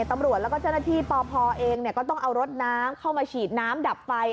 ตำรวจแล้วก็เจ้าหน้าที่ปพเองก็ต้องเอารถน้ำเข้ามาฉีดน้ำดับไฟ